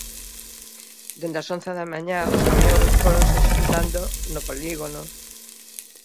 Dende as once da mañá os camións fóronse xuntando no polígono.